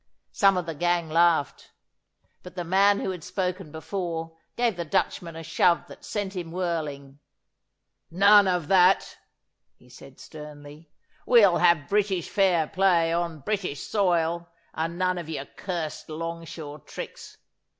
Some of the gang laughed, but the man who had spoken before gave the Dutchman a shove that sent him whirling. 'None of that,' he said sternly. 'We'll have British fair play on British soil, and none of your cursed longshore tricks.